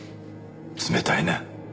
冷たいね。